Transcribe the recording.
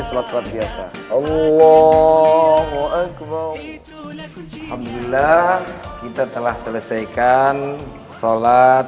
sholat sholat biasa allah wa'alaikum wa'alaikum alhamdulillah kita telah selesaikan sholat